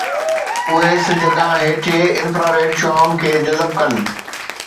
اهي سج کان هيٺئين انفراريڊ شعاعن کي جذب ڪن ٿا